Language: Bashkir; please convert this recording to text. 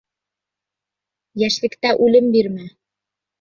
Йәшлектә үлем бирмә.